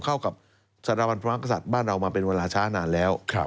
เข้ากับสถาบันพระมหากษัตริย์บ้านเรามาเป็นเวลาช้านานแล้ว